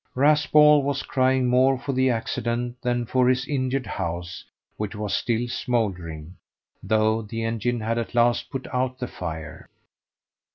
Raspall was crying more for the accident than for his injured house, which was still smouldering, though the engine had at last put out the fire.